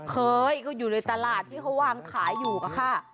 เคยก็อยู่ในตลาดที่เขาวางขายอยู่อะค่ะ